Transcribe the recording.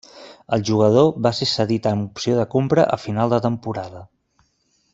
El jugador va ser cedit amb opció de compra a final de temporada.